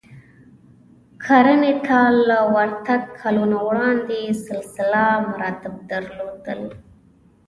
کرنې ته له ورتګ کلونه وړاندې سلسله مراتب درلودل